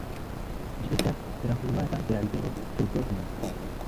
Ĝi estas trafluata de la rivero Dordogne.